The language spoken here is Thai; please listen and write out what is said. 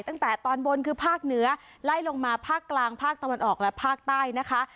ตั้งแต่ตอนบนคือภาคเหนือไล่ลงมาภาคกลางภาคตะวันออกและภาคใต้นะคะ